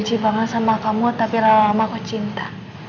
saya bangga sama kamu tapi lama lama aku cinta